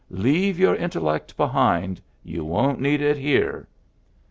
Leave your intellect behind : you won' t need it here.